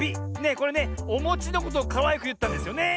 これねおもちのことをかわいくいったんですよね？